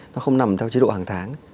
nó không nằm theo chế độ hàng tháng